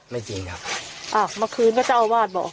ไม่จริงครับอ้าวเมื่อคืนก็เจ้าวาดบ่